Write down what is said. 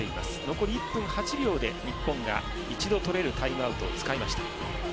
残り１分８秒で日本が１度取れるタイムアウトを使いました。